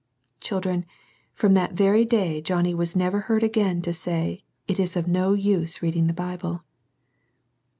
Children, from that very day Johnny was never heard again to say, "It is of no use reading the Bible."